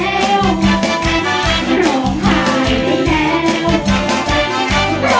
ร้องหายได้แล้ว